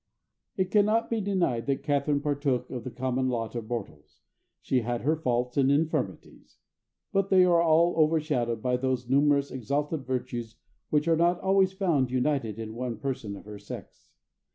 It cannot be denied that Catharine partook of the common lot of mortals; she had her faults and infirmities; but they are all overshadowed by those numerous exalted virtues which are not always found united in one person of her sex.